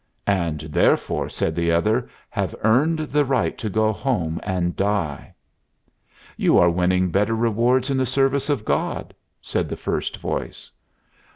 "And, therefore," said the other, "have earned the right to go home and die." "You are winning better rewards in the service of God," said the first voice.